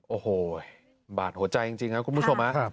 โอ้โหบาดหัวใจจริงครับคุณผู้ชม